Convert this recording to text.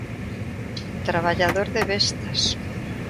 Traballador de Vestas.